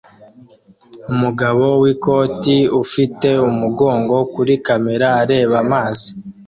Umugabo wikoti ufite umugongo kuri kamera areba amazi